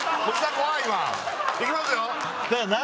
今いきますよ